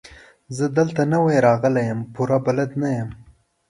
زه دلته نوی راغلی يم، پوره بلد نه يم.